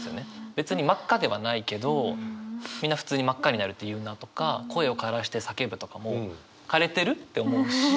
別に真っ赤ではないけどみんな普通に真っ赤になるって言うなとか声をからして叫ぶとかも「かれてる？」って思うし。